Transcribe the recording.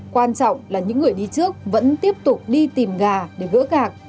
quan trọng là những người đi trước vẫn tiếp tục đi tìm gà để gỡ gạc